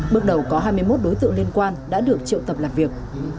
bước đầu có hai mươi một đối tượng liên quan đã được triệu tập làm việc